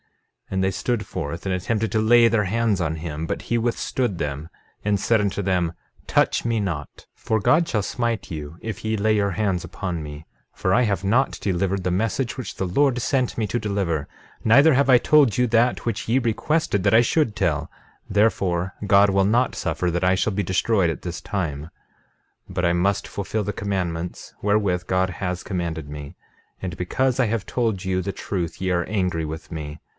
13:2 And they stood forth and attempted to lay their hands on him; but he withstood them, and said unto them: 13:3 Touch me not, for God shall smite you if ye lay your hands upon me, for I have not delivered the message which the Lord sent me to deliver; neither have I told you that which ye requested that I should tell; therefore, God will not suffer that I shall be destroyed at this time. 13:4 But I must fulfil the commandments wherewith God has commanded me; and because I have told you the truth ye are angry with me.